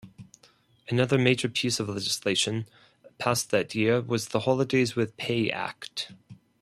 Another major piece of legislation passed that year was the Holidays with Pay Act.